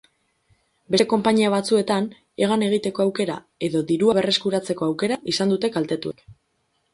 Beste konpainia batzuetan hegan egiteko aukera edo dirua berreskuratzeko aukera izan dute kaltetuek.